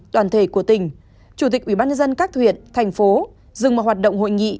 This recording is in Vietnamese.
đoàn thể của tỉnh chủ tịch ubnd các thuyện thành phố dừng vào hoạt động hội nghị